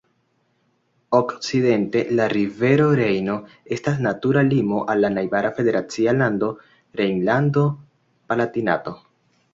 Okcidente la rivero Rejno estas natura limo al la najbara federacia lando Rejnlando-Palatinato.